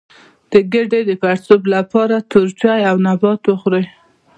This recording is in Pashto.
د ګیډې د پړسوب لپاره تور چای او نبات وخورئ